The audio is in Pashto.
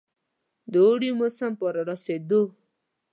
د اوړي موسم په رارسېدو.